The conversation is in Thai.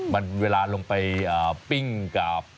มันเวลาลงไปปิ้งกับ